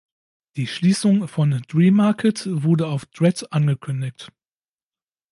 Die Schließung von Dream Market wurde auf Dread angekündigt.